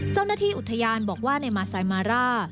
เจ้าหน้าที่อุทยานบอกว่าในมาไซมาร่า